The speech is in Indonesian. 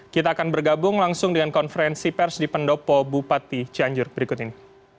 kita akan bergabung langsung dengan konferensi pers di pendopo bupati cianjur berikut ini